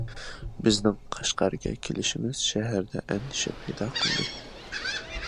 بىزنىڭ قەشقەرگە كېلىشىمىز شەھەردە ئەندىشە پەيدا قىلدى.